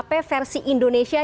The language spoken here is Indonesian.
ada kuhp versi indonesia